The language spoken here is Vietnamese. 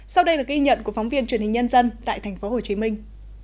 sau đây là ghi nhận của phóng viên truyền hình nhân dân tại thành phố hồ chí minh